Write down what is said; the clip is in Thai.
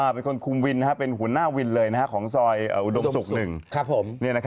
เป็นคนคุมวินเป็นหัวหน้าวินเลยของซอยอุดมศุกร์๑